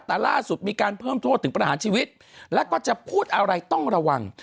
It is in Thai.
แต่ล่าสุดมีการเพิ่มโทษถึงประหารชีวิตแล้วก็จะพูดอะไรต้องระวัง